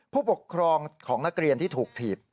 ผู้ปกครองของนักเรียนที่ถูกถีบ